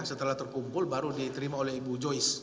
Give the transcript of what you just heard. setelah terkumpul baru diterima oleh ibu joyce